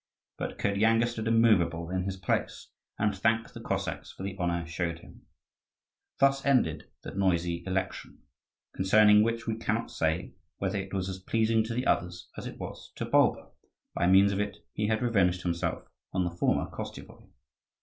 But Kirdyanga stood immovable in his place, and thanked the Cossacks for the honour shown him. Thus ended the noisy election, concerning which we cannot say whether it was as pleasing to the others as it was to Bulba; by means of it he had revenged himself on the former Koschevoi.